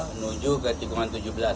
menuju ke tikungan tujuh belas